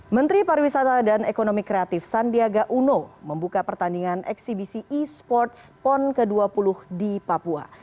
menteri pariwisata dan ekonomi kreatif sandiaga uno membuka pertandingan eksibisi e sports pon ke dua puluh di papua